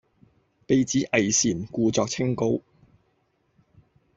被指偽善，故作清高